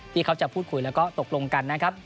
ที่เขาจะพูดคุยแล้วก็ตกลงกันนะครับ